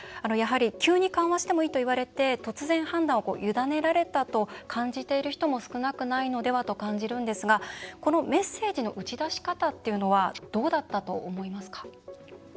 急に緩和していいといわれて突然、判断をゆだねられたと感じている人も少なくないのではないかと感じるんですがこのメッセージの打ち出し方っていうのはどうだったと思いますか。